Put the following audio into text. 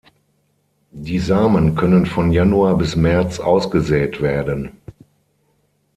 Die Samen können von Januar bis März ausgesät werden.